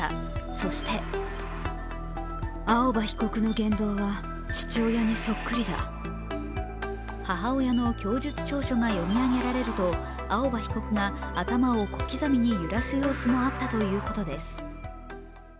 そして母親の供述調書が読み上げられると青葉被告が頭を小刻みに揺らす様子もあったということです。